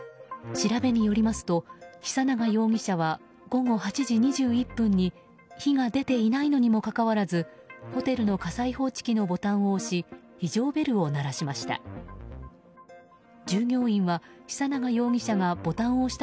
調べによりますと久永容疑者は午後８時２１分に火が出ていないのにもかかわらずホテルの火災報知機のボタンを押し非常ベルを鳴らしました。